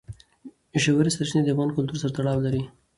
ژورې سرچینې د افغان کلتور سره تړاو لري.